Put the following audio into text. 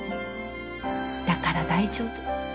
だから大丈夫。